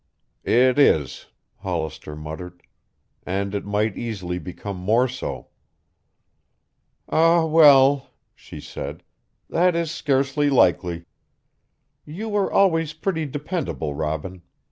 "It is," Hollister muttered, "and it might easily become more so." "Ah, well," she said, "that is scarcely likely. You were always pretty dependable, Robin.